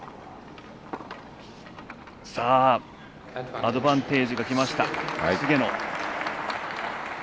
アドバンテージがきました、菅野。